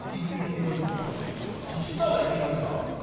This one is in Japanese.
そしたらいきなりさ。